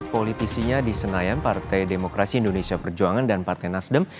politisinya di senayan partai demokrasi indonesia perjuangan dan partai nasdem